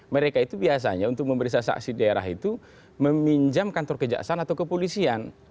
mereka itu biasa untuk memberikan saksi daerah itu meminjam kantor kejaksan atau kepolisian